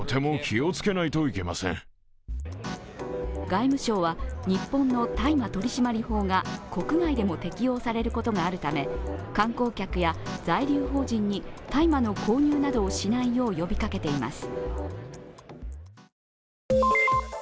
外務省は、日本の大麻取締法が国外でも適用されることがあるため観光客や在留邦人に大麻の購入などをしないよう呼びかけています。